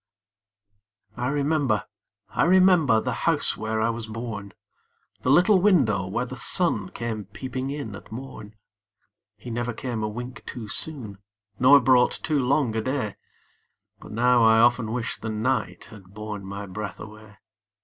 I remember, I remember, The house where I was born, The little window where the sun Came peeping in at morn; He never came a wink too soon, Nor brought too long a day, But now, I often wish the night Had borne my breath away!